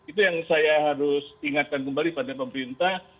itu yang saya harus ingatkan kembali pada pemerintah